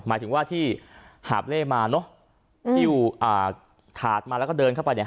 หมายถึงว่าที่หาบเล่มาเนอะที่ถาดมาแล้วก็เดินเข้าไปเนี่ย